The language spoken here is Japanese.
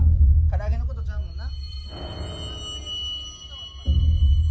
唐揚げのことちゃうもんな。